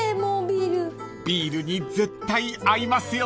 ［ビールに絶対合いますよ］